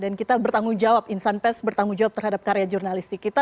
dan kita bertanggung jawab insan pes bertanggung jawab terhadap karya jurnalistik kita